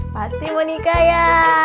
pasti mau nikah ya